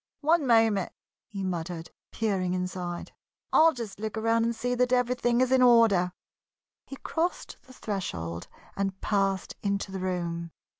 "One moment!" he muttered, peering inside. "I'll just look around and see that everything is in order." He crossed the threshold and passed into the room.